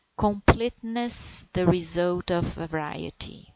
COMPLETENESS THE RESULT OF VARIETY.